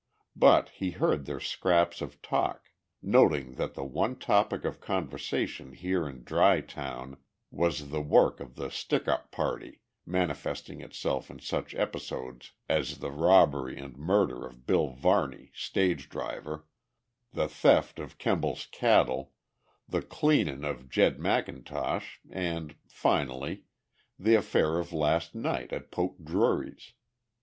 But he heard their scraps of talk, noting that the one topic of conversation here in Dry Town was the work of the "stick up party" manifesting itself in such episodes as the robbery and murder of Bill Varney, stage driver, the theft of Kemble's cattle, the "cleanin'" of Jed Macintosh and, finally, the affair of last night at Poke Drury's.